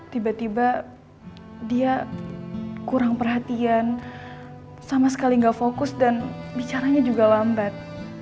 tiba tiba dia kurang perhatian sama sekali nggak fokus dan bicaranya juga lambat